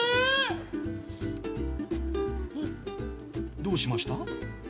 どうしました？